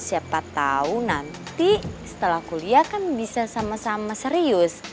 siapa tahu nanti setelah kuliah kan bisa sama sama serius